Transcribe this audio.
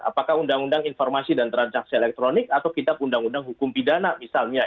apakah undang undang informasi dan transaksi elektronik atau kitab undang undang hukum pidana misalnya